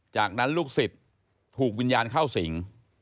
จากนั้นลูกศิษย์ถูกวิญญาณเข้าสิง